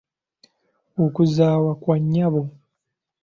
Okuzaawa kwa nnyabo.